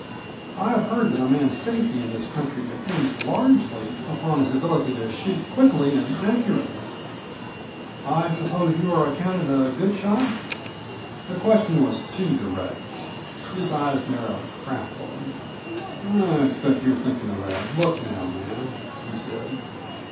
"I have heard that a man's safety in this country depends largely upon his ability to shoot quickly and accurately. I suppose you are accounted a good shot?" The question was too direct. His eyes narrowed craftily. "I expect you're thinkin' of that book now ma'am," he said.